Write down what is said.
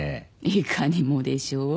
いかにもでしょう？